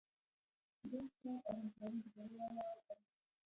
ګډ کار او همکاري د بریا لاره ده.